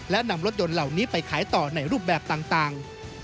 และนำรถยนต์เหล่านี้ไปขายต่อในรูปแบบต่าง